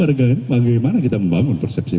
bagaimana kita membangun persepsi